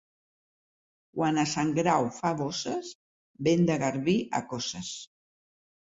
Quan a Sant Grau fa bosses, vent de garbí a coces.